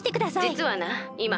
じつはないま